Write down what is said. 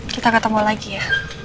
kita ketemu lagi ya